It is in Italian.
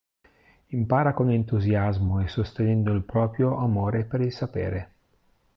Impara con entusiasmo e sostenendo il proprio amore per il sapere.